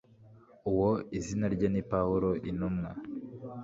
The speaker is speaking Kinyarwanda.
uwo izina rye ni pawulo intumwa